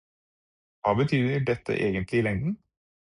Hva betyr dette egentlig i lengden?